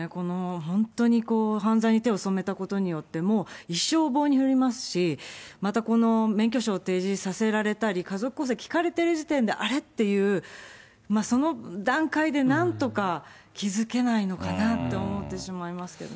本当に犯罪に手を染めたことによって、もう一生、棒に振りますし、また免許証を提示させられたり、家族構成聞かれてる時点で、あれ？っていう、その段階で、なんとか気付けないのかなって思ってしまいますけどね。